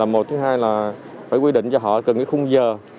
một thứ hai là phải quy định cho họ từng cái khung giờ